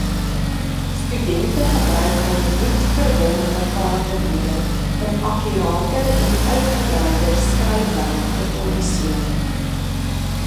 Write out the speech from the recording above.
Studente gebruik hul nuut verworwe vaardighede om akkurater en uitgebreider skryfwerk te produseer.